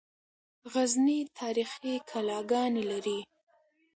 غزني تاریخي کلاګانې لري